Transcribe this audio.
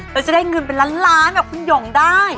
เราจะได้เงินเป็นล้านแบบคุณหย่องได้